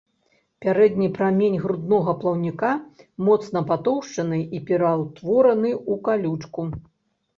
Пярэдні прамень груднога плаўніка моцна патоўшчаны і пераўтвораны ў калючку.